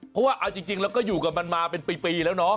เพราะว่าเอาจริงแล้วก็อยู่กับมันมาเป็นปีแล้วเนาะ